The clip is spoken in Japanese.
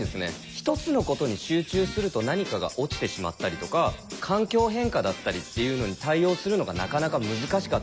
１つのことに集中すると何かが落ちてしまったりとか環境変化だったりっていうのに対応するのがなかなか難しかったり。